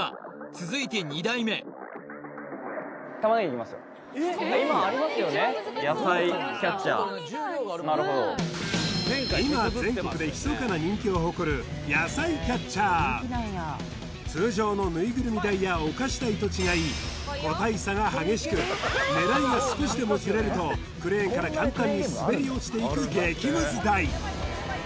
続いて２台目今全国でひそかな人気を誇る野菜キャッチャー通常のぬいぐるみ台やお菓子台と違い狙いが少しでもズレるとクレーンから簡単に滑り落ちていく激ムズ台